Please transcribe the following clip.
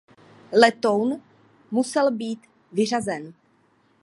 Letoun musel být vyřazen.